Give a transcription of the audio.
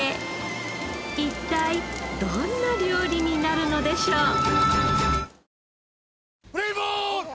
一体どんな料理になるのでしょう？